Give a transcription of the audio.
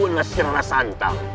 nasir rara santang